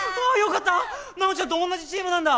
直ちゃんと同じチームなんだ。